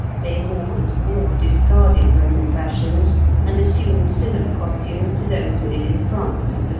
They more and more discarded Roman fashions, and assumed similar costumes to those made in France at the same period.